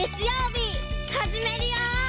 はじめるよ！